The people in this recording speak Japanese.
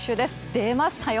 出ましたよ！